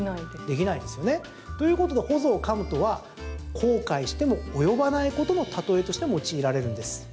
できないですよね。ということで、ほぞをかむとは後悔しても及ばないことの例えとして用いられるんです。